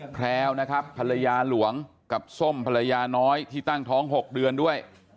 แพรวหลวงสมน้อยที่ตั้งท้อง๖เดือนด้วย